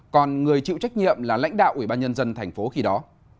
còn người chịu trách nhiệm là lãnh đạo ubnd tp khi đó